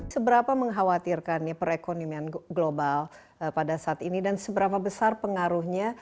seberapa mengkhawatirkan ya perekonomian global pada saat ini dan seberapa besar pengaruhnya